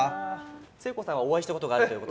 せいこうさんはお会いしたことがあるということで。